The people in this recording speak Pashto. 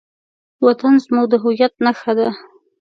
وطن زموږ د هویت نښه ده.